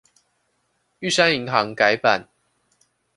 玉山銀行改版